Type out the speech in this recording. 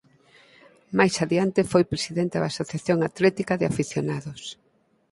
Máis adiante foi presidente da Asociación Atlética de Afeccionados.